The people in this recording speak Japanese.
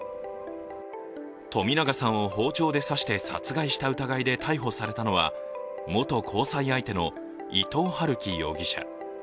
冨永さんを包丁で刺して殺害した疑いで逮捕されたのは、元交際相手の伊藤龍稀容疑者。